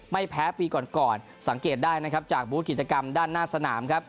ไม่แพ้ปีก่อนก่อนสังเกตได้นะครับจากบูธกิจกรรมด้านหน้าสนามครับ